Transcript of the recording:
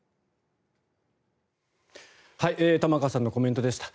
玉川さんのコメントでした。